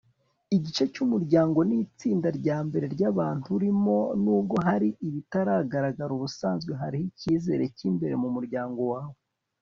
igice cyumuryango nitsinda ryambere ryabantu urimo. nubwo hari ibitagaragara, ubusanzwe hariho ikizere cyimbere mu muryango wawe